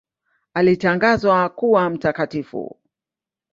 Alitangazwa kuwa mtakatifu.